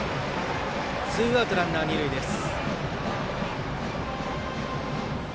ツーアウト、ランナー、二塁です。